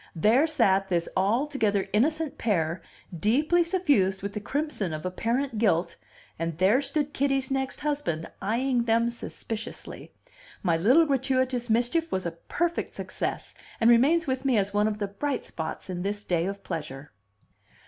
There sat this altogether innocent pair, deeply suffused with the crimson of apparent guilt, and there stood Kitty's next husband, eyeing them suspiciously. My little gratuitous mischief was a perfect success, and remains with me as one of the bright spots in this day of pleasure.